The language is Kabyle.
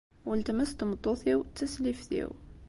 Weltma-s n tmeṭṭut-iw d taslift-iw.